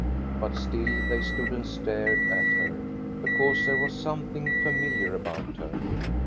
But still they stood and stared at her, because there was some thing familiar about her.